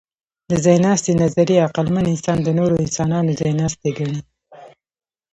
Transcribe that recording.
د ځایناستي نظریه عقلمن انسان د نورو انسانانو ځایناستی ګڼي.